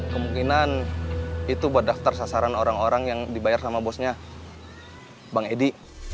kemungkinan itu buat daftar sasaran orang orang yang dibayar sama bosnya bang edi